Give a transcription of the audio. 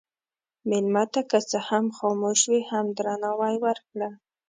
مېلمه ته که څه هم خاموش وي، هم درناوی ورکړه.